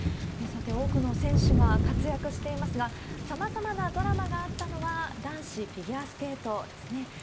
さて、多くの選手が活躍していますが、さまざまなドラマがあったのは、男子フィギュアスケートですね。